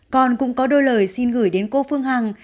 con cũng có đôi lời xin gửi đến cô phương hằng